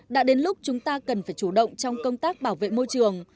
đã đến lúc chúng ta cần phải chủ động trong công tác bảo vệ môi trường